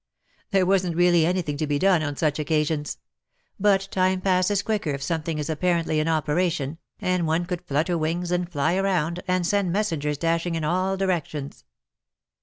There wasn't really anything to be done on such occasions ; but time passes quicker if something is apparently in operation, and one could flutter wings and fly around, and send messengers dashing in all directions.